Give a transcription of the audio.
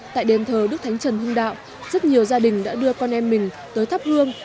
tại đền thờ đức thánh trần hưng đạo rất nhiều gia đình đã đưa con em mình tới thắp hương